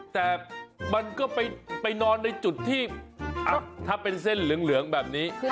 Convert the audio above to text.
แต่มันก็ไปนอนในจุดที่ถ้าเป็นเส้นเหลืองแบบนี้